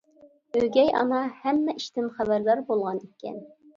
ئۆگەي ئانام ھەممە ئىشتىن خەۋەردار بولغان ئىكەن.